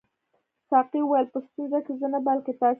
ساقي وویل په ستونزه کې زه نه بلکې تاسي یاست.